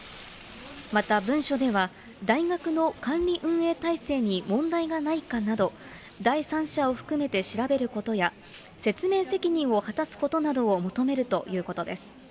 また文書では、大学の管理運営体制に問題がないかなど、第三者を含めて調べることや、説明責任を果たすことなどを求めるということです。